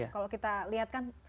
kalau kita lihatkan